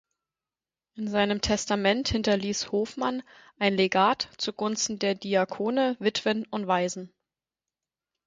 In seinem Testament hinterließ Hofmann ein Legat zugunsten der Diakone, Witwen und Waisen.